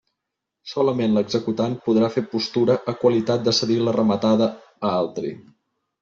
Solament l'executant podrà fer postura a qualitat de cedir la rematada a altri.